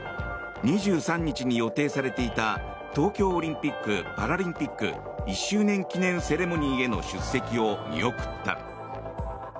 ２３日に予定されていた東京オリンピック・パラリンピック１周年記念セレモニーへの出席を見送った。